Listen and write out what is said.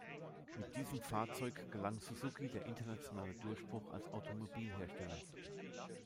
Mit diesem Fahrzeug gelang Suzuki der internationale Durchbruch als Automobilhersteller.